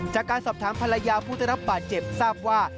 จากการสอบถามภรรยาผู้ได้รับบาดเจ็บทราบว่า